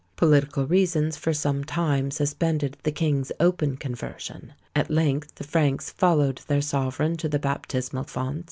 Political reasons for some time suspended the king's open conversion. At length the Franks followed their sovereign to the baptismal fonts.